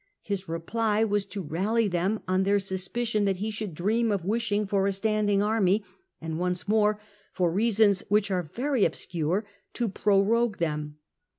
His reply was to rally them on their suspicion that he should dream of wishing for a standing army, and once more, for reasons which are very obscure, to prorogue them.